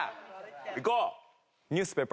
いこう。